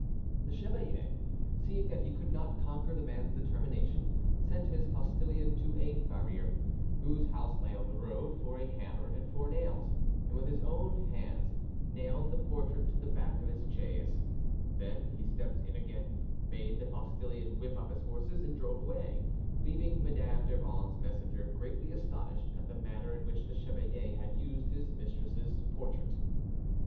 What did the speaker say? The chevalier, seeing that he could not conquer the man's determination, sent his postillion to a farrier, whose house lay on the road, for a hammer and four nails, and with his own hands nailed the portrait to the back of his chaise; then he stepped in again, bade the postillion whip up his horses, and drove away, leaving Madame d'Urban's messenger greatly astonished at the manner in which the chevalier had used his mistress's portrait.